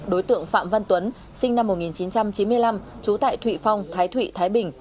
đối tượng phạm văn tuấn sinh năm một nghìn chín trăm chín mươi năm trú tại thụy phong thái thụy thái bình